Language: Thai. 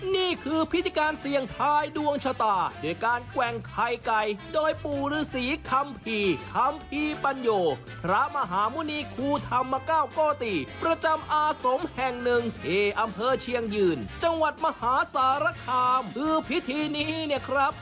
นี่คือพิธีการเสี่ยงทายดวงชะตาด้วยการแกว่งไข่ไก่โดยปู่ฤษีคัมภีร์คัมภีร์ปัญโยพระมหาหมุณีครูธรรมเก้าโกติประจำอาสมแห่งหนึ่งที่อำเภอเชียงยืนจังหวัดมหาสารคามคือพิธีนี้เนี่ยครับ